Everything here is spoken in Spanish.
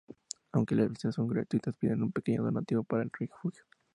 Aunque las visitas son gratuitas, piden un pequeño donativo para el refugio.